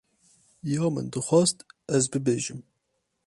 Ya min dixwast ez bibêjim.